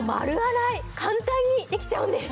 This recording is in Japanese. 簡単にできちゃうんです！